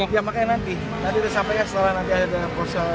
iya masih saksi semua